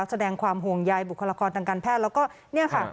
แสดงความห่วงใยบุคลากรทางการแพทย์แล้วก็เนี่ยค่ะ